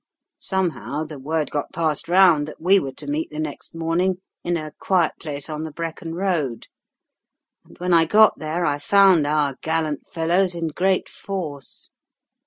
Somehow the word got passed round that we were to meet the next morning in a quiet place on the Brecon road, and when I got there I found our gallant fellows in great force.